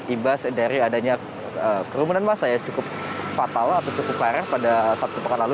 imbas dari adanya kerumunan masa yang cukup fatal atau cukup parah pada sabtu pekan lalu